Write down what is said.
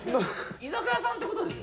居酒屋さんってことですよね？